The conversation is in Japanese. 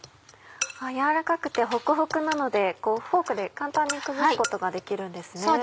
軟らかくてホクホクなのでフォークで簡単に崩すことができるんですね。